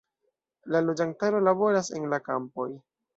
La loĝantaro laboras en la kampoj.